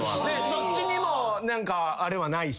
どっちにもあれはないし。